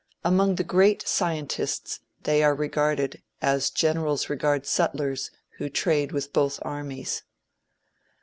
Among the great scientists they are regarded as generals regard sutlers who trade with both armies.